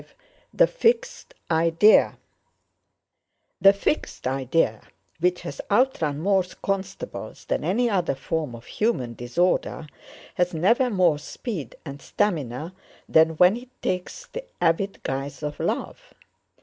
V.—THE FIXED IDEA "The fixed idea," which has outrun more constables than any other form of human disorder, has never more speed and stamina than when it takes the avid guise of love.